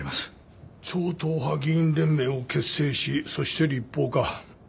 超党派議員連盟を結成しそして立法化。